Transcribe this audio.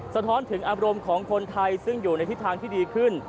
สะท้อนถึงอารมณ์ของคนไทยซึ่งอยู่ในทิศทางที่ดีขึ้น